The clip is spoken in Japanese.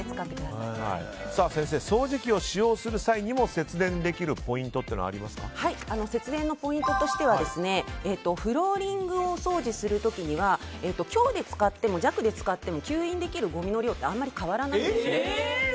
掃除機を使用する際にもポイントとしてはフローリングをお掃除する時には強で使っても弱で使っても、吸引できるごみの量はあまり変わらないんです。